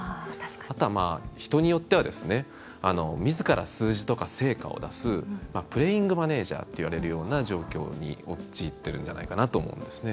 あとは、人によってはみずから数字とか成果を出すプレーイングマネージャーといわれるような状況に陥ってるんじゃないかなと思うんですね。